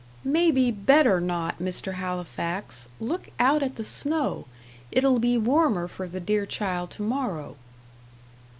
"Maybe better not, Mr. Halifax. Look out at the snow. It'll be warmer for the dear child to morrow."